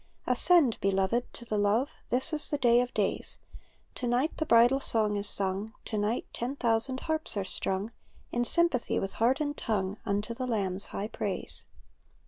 Ascend, beloved, to the love; This is the day of days; To night the bridal song is sung, To night ten thousand harps are strung. In sympathy with heart and tongue, Unto the Lamb's high praise.